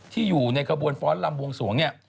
ที่อยู่ในกระบวนฟ้อนด์ลำวงสวงนี่